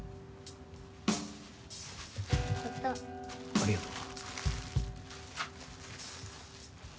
ありがとう。